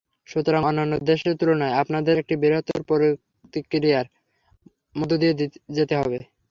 সুতরাং, অন্যান্য দেশের তুলনায় আপনাদের একটি বৃহত্তর প্রক্রিয়ার মধ্য দিয়ে যেতে হবে।